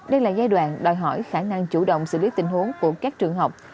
đây là giai đoạn đòi hỏi khả năng chủ động xử lý tình huống của các trường học